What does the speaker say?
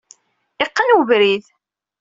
Iqqen ubrid.